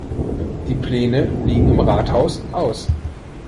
Die Pläne liegen im Rathaus aus.